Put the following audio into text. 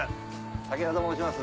武田と申します。